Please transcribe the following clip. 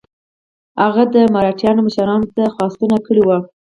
هغه د مرهټیانو مشرانو ته خواستونه کړي وه.